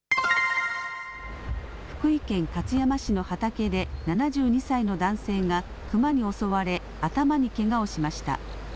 福井県勝山市の畑で７２歳の男性がクマに襲われ頭にけがをしました。